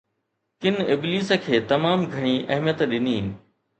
ڪن ابليس کي تمام گهڻي اهميت ڏني